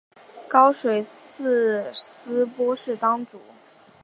高水寺斯波氏当主。